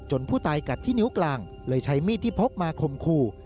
ผู้ตายกัดที่นิ้วกลางเลยใช้มีดที่พกมาคมคู่